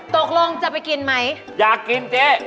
ตกลงจะไปกินไหมอยากกินเจ๊